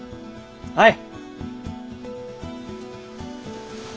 はい！